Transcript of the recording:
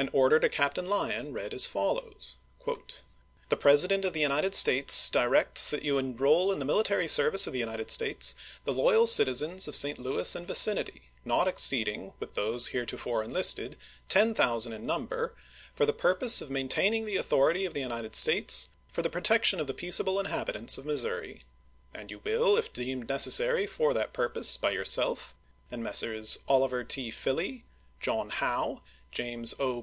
An order to Captain Lyon read as follows : The President of the United States directs that you en roll in the military service of the United States the loyal citizens of St. Louis and vieinit}^, not exceeding, with those heretofore enlisted, ten thousand in number, for the purpose of maintaining the authority of the United States for the protection of the peaceable inhabitants of Mis souri; and you will, if deemed necessary for that purpose by yourself and by Messrs. Oliver T. Filley, John How, to LyX James O.